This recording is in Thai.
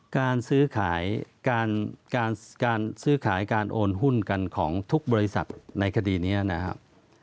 การซื้อขายการโอนหุ้นกันของทุกบริษัทในคดีนี้นะครับ